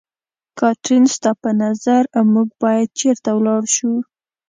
کاترین، ستا په نظر موږ باید چېرته ولاړ شو؟